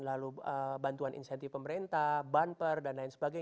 lalu bantuan insentif pemerintah banper dan lain sebagainya